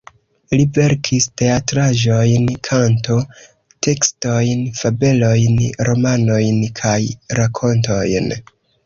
Li verkis teatraĵojn, kanto-tekstojn, fabelojn, romanojn, kaj rakontojn.